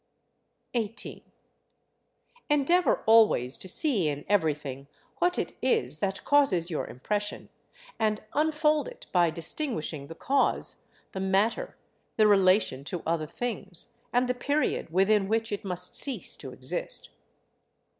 18. Endeavour always to see in everything what it is that causes your impression; and unfold it by distinguishing the cause, the matter, the relation to other things, and the period within which it must cease to exist.